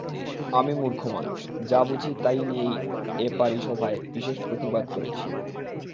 আমি মূর্খ মানুষ, যা বুঝি তাই নিয়েই এ পারি-সভায় বিশেষ প্রতিবাদ করেছি।